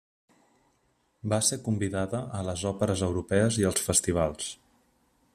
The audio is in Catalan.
Va ser convidada a les òperes europees i als festivals.